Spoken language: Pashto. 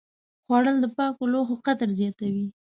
خوړل د پاکو لوښو قدر زیاتوي